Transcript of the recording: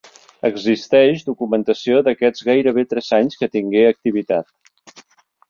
Existeix documentació d'aquests gairebé tres anys que tingué activitat.